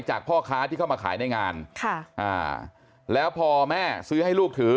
พ่อค้าที่เข้ามาขายในงานค่ะอ่าแล้วพอแม่ซื้อให้ลูกถือ